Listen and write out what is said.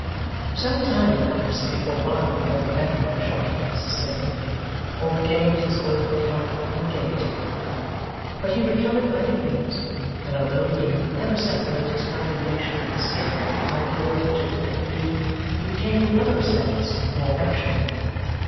Some time elapsed before Barnaby got the better of the shock he had sustained, or regained his old health and gaiety. But he recovered by degrees: and although he could never separate his condemnation and escape from the idea of a terrific dream, he became, in other respects, more rational.